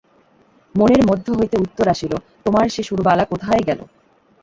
মনের মধ্য হইতে উত্তর আসিল, তোমার সে সুরবালা কোথায় গেল।